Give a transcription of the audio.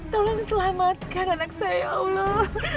tolong selamatkan anak saya allah